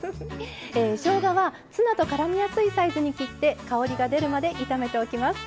しょうがは、ツナとからみやすいサイズに切って香りが出るまで炒めておきます。